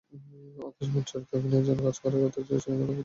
অথচ মূল চরিত্রে অভিনয় করার কথা ছিল ছবির অন্যতম প্রযোজক জর্জ ক্লুনির।